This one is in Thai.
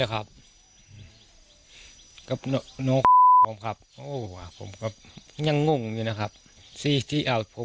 กับน้องครับโอ้ว่าผมครับยังงงอยู่นะครับที่ที่เอาผม